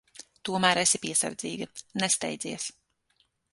Tomēr esi piesardzīga. Nesteidzies.